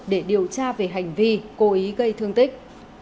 để điều tra về hành vi cố ý gây thương tích